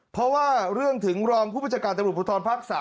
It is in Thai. เพราะว่าเรื่องถึงรองผู้พิจารณ์จังหลุดพลุทธรพักษ์๓